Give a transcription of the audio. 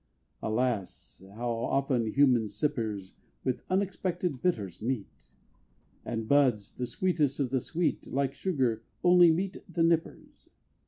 Alas! how often human sippers With unexpected bitters meet, And buds, the sweetest of the sweet, Like sugar, only meet the nippers!